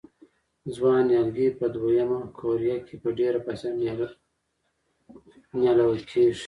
ځوان نیالګي په دوه یمه قوریه کې په ډېره فاصله نیالول کېږي.